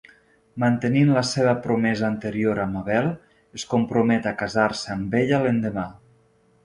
Mantenint la seva promesa anterior a Mabel es compromet a casar-se amb ella l'endemà.